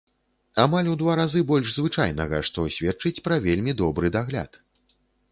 Амаль у два разы больш звычайнага, што сведчыць пра вельмі добры дагляд.